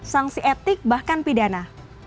sangsi etik bahkan pidana